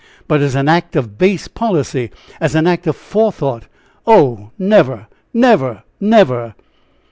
But as an act of base policy, as an act of forethought, oh! never, never, never!"